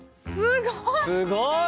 すごい！